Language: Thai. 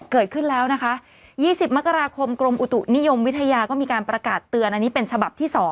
เกิดขึ้นแล้วนะคะ๒๐มกราคมกรมอุตุนิยมวิทยาก็มีการประกาศเตือนอันนี้เป็นฉบับที่๒